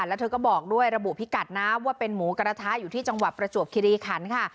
แล้วเธอก็บอกด้วยระบุพิกัดนะว่าเป็นหมูกระทะอยู่ที่จังหวัดประจวบคิริขันค่ะ